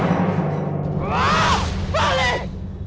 awas saja kau belis